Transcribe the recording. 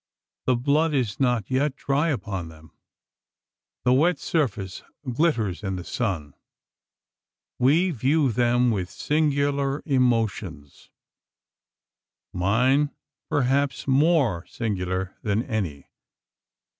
The blood is not yet dry upon them the wet surface glitters in the sun! We view them with singular emotions mine perhaps more singular than any.